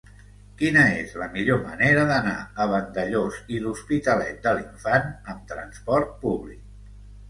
Quina és la millor manera d'anar a Vandellòs i l'Hospitalet de l'Infant amb trasport públic?